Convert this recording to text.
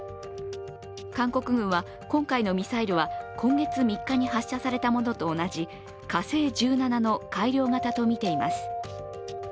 韓国軍は今回のミサイルは今月３日に発射されたものと同じ火星１７の改良型とみています。